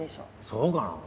そうかな？